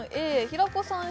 Ａ平子さん